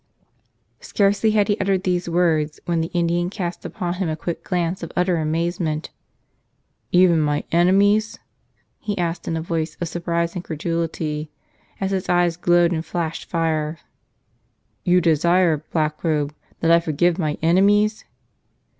Scarcely had he uttered these words, when the In¬ dian cast upon him a quick glance of utter amaze¬ ment. "Even my enemies?" he asked in a voice of surprised incredulity, as his eyes glowed and flashed fire. "You desire, Blackrobe, that I forgive my enemies?"